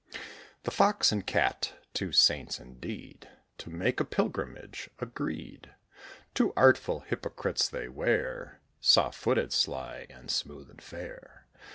The Fox and Cat, two saints indeed, To make a pilgrimage agreed: Two artful hypocrites they were, Soft footed, sly, and smooth, and fair.